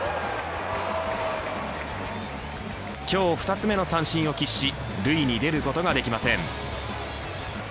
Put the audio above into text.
今日２つ目の三振を喫し塁に出ることができません。